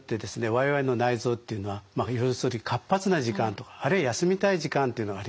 我々の内臓というのはまあ要するに活発な時間とかあるいは休みたい時間というのがありますね。